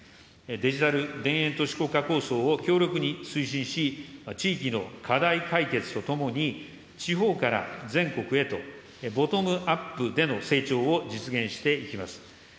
デジタル田園都市国家構想を強力に推進し、地域の課題解決とともに、地方から全国へとボトムアップでの成長を実現していきます。